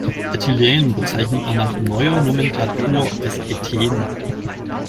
Äthylen bezeichnet man nach neuer Nomenklatur als Ethen.